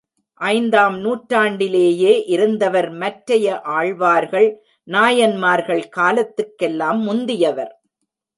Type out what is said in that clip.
ஐந்தாம் நூற்றாண்டிலேயே இருந்தவர் மற்றைய ஆழ்வார்கள் நாயன்மார்கள் காலத்துக்கெல்லாம் முந்தியவர்.